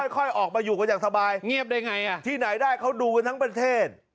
ค่อยออกมาอยู่ก็อย่างสบายที่ไหนได้เขาดูกันทั้งประเทศ